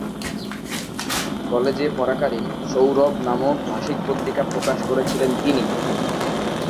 কলেজে পড়াকালীন "সৌরভ" নামক মাসিক পত্রিকা প্রকাশ করেছিলেন তিনি।